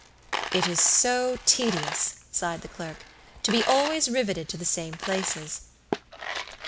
"It is so tedious," sighed the clerk, "to be always riveted to the same places."